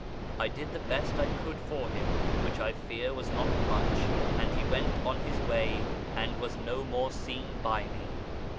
I did the best I could for him (which, I fear, was not much), and he went on his way and was no more seen by me.